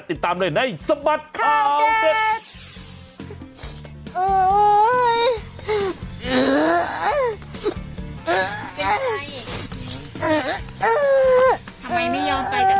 ติดตามเลยในสบัดข่าวเด็ด